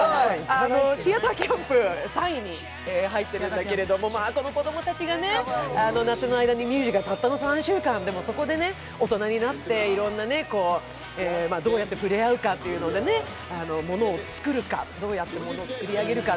「シアター・キャンプ」３位に入っているんだけど、この子供たちが夏の間にたったの３週間、でもそこで大人になって、いろんなどうやってふれあうかっていうのでものを作るか、どうやってものを作り上げるか。